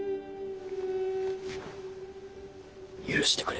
許してくれ。